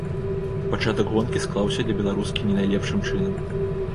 Пачатак гонкі склаўся для беларускі не найлепшым чынам.